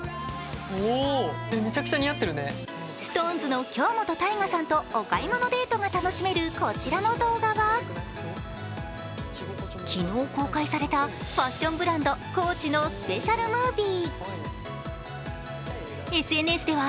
ＳｉｘＴＯＮＥＳの京本大我さんとお買い物デートが楽しめるこちらの動画は昨日公開されたファッションブランドＣＯＡＣＨのスペシャルムービー。